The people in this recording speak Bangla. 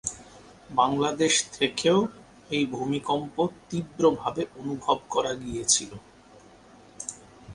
বাংলাদেশ থেকেও এই ভূমিকম্প তীব্রভাবে অনুভব করা গিয়েছিল।